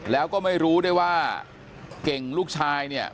แล้วก็ไม่รู้ด้วยว่าเก่งลูกชายเนี่ย